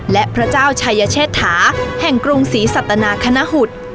และพระเจ้าชายเชษฐาแห่งกรุงศรีสัตนาคณหุด